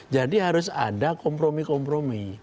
jadi harus ada kompromi kompromi